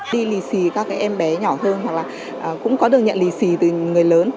đi lì xì các em bé nhỏ hơn hoặc là cũng có được nhận lì xì từ người lớn